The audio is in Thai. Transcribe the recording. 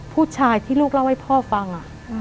ผู้ชายที่ลูกเล่าให้พ่อฟัง